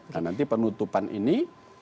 dan nanti penutupan ini